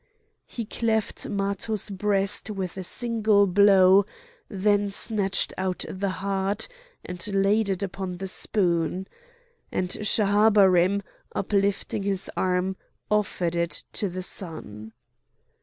He cleft Matho's breast with a single blow, then snatched out the heart and laid it upon the spoon; and Schahabarim, uplifting his arm, offered it to the sun.